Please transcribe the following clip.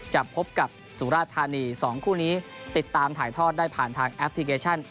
จะพบกับสุราธานี๒คู่นี้ติดตามถ่ายทอดได้ผ่านทางแอปพลิเคชัน